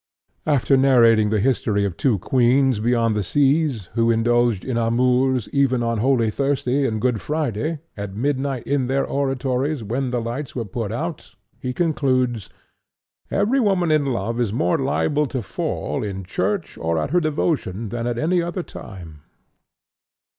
After narrating the history of two queens beyond the seas who indulged in amours even on Holy Thursday and Good Friday, at midnight in their oratories, when the lights were put out, he concludes: "Every woman in love is more liable to fall in church or at her devotion than at any other time."